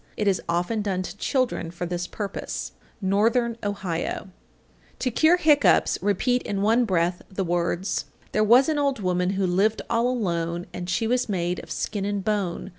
It is often done to children for this purpose. Northern Ohio. 845. To cure hiccoughs repeat in one breath the words, There was an old woman who lived all alone, And she was made of skin and bone.